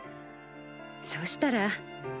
そしたら。